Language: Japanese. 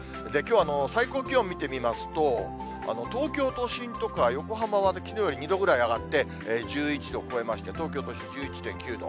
きょう、最高気温見てみますと、東京都心とか横浜はきのうより２度ぐらい上がって１１度超えまして、東京都心１１．９度。